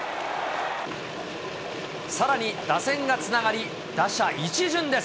さらに打線がつながり、打者一巡です。